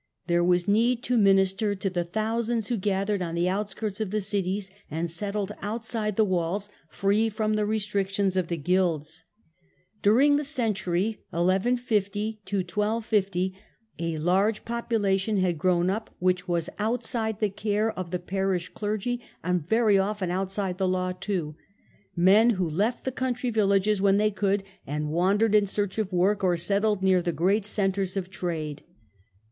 There was need to minister to the thousands who gathered on the outskirts of the cities, and settled outside the walls free from the restrictions of the guilds. During the century (ii 50 1 250) a large population had grown up which was outside the care of the parish clergy, and very often outside the law too — men who left the country vil lages when they could, and wandered in search of work or settled near the great centres of trade.